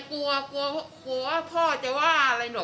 กลัวว่าพ่อจะว่าอะไร